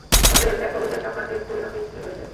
অতএব দেখ, ওদের চক্রান্তের পরিণতি কি হয়েছে!